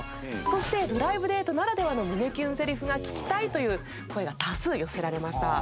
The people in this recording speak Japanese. そしてドライブデートならではの胸キュンゼリフが聞きたいという声が多数寄せられました。